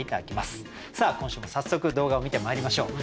さあ今週も早速動画を観てまいりましょう。